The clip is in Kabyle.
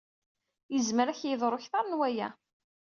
Yezmer ad k-yeḍru kter n waya.